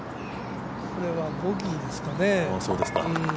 これはボギーですかね。